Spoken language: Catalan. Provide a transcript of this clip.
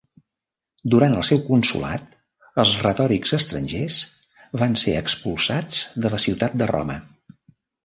Durant el seu consolat els retòrics estrangers van ser expulsats de la ciutat de Roma.